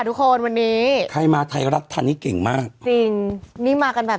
ทุกคนวันนี้ใครมาไทยรัฐทันนี้เก่งมากจริงนี่มากันแบบ